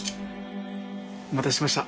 お待たせしました。